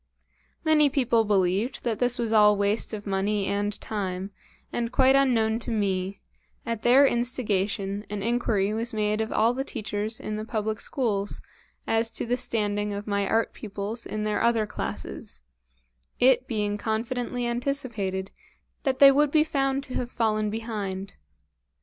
Many people believed that this was all waste of money and time, and, quite unknown to me, at their instigation an inquiry was made of all the teachers in the public schools as to the standing of my art pupils in their other classes, it being confidently anticipated that they would be found to have fallen behind.